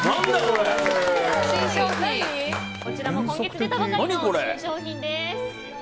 こちらも今月出たばかりの新商品です。